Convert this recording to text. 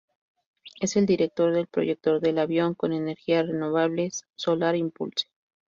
Es el director del proyecto del avión con energía renovables Solar Impulse.